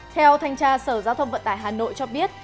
theo thanh tra sở giao thông vận tải hà nội cho biết